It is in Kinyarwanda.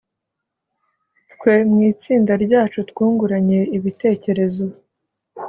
Twe mu itsinda ryacu twunguranye ibitekerezo